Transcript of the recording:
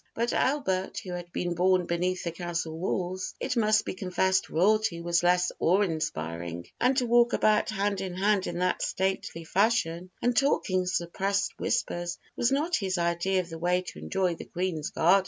But to Albert, who had been born beneath the castle walls, it must be confessed royalty was less awe inspiring, and to walk about hand in hand in that stately fashion and talk in suppressed whispers was not his idea of the way to enjoy the Queen's garden.